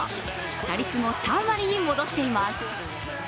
打率も３割に戻しています。